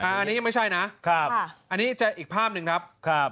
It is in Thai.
อันนี้ยังไม่ใช่นะครับอันนี้จะอีกภาพหนึ่งครับ